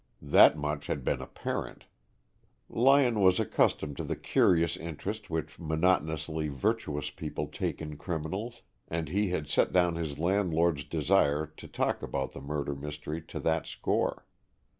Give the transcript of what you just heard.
That much had been apparent. Lyon was accustomed to the curious interest which monotonously virtuous people take in criminals, and he had set down his landlord's desire to talk about the murder mystery to that score.